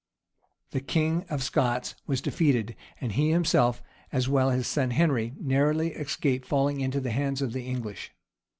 The king of Scots was defeated; and he himself, as well as his son Henry, narrowly escaped falling into the hands of the English.